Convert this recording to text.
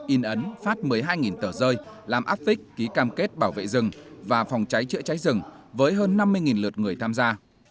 in ấn phát một mươi hai tờ rơi làm áp phích ký cam kết bảo vệ rừng và phòng cháy chữa cháy rừng với hơn năm mươi lượt người tham gia